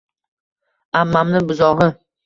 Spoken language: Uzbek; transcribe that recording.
Ammammi buzog'i.